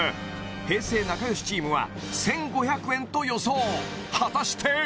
平成なかよしチームは１５００円と予想果たして？